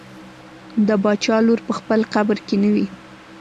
د باچا لور په خپل قبر کې نه وي.